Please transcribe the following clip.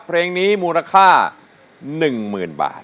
เพลงนี้มูลค่า๑๐๐๐บาท